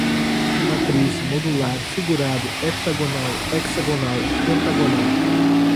matriz, modular, figurado, heptagonal, hexagonal, pentagonal